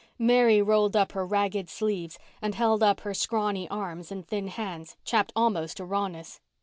Mary rolled up her ragged sleeves, and held up her scrawny arms and thin hands, chapped almost to rawness.